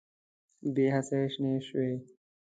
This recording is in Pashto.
بې حسۍ شنې شوې